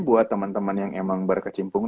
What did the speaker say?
buat temen temen yang emang berkecimpung